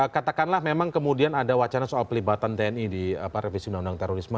katakanlah memang kemudian ada wacana soal pelibatan tni di revisi undang undang terorisme